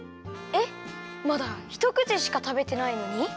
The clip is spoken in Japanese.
えっまだひとくちしかたべてないのに？